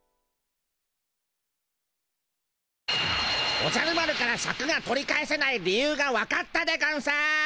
おじゃる丸からシャクが取り返せない理由がわかったでゴンス！